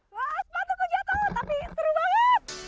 wah sepatu kejatuhan tapi seru banget